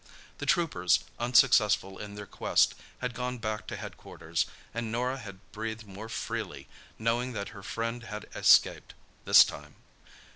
The troopers, unsuccessful in their quest, had gone back to headquarters, and Norah had breathed more freely, knowing that her friend had escaped—this time.